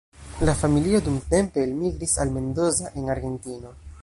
La familio dumtempe elmigris al Mendoza en Argentino.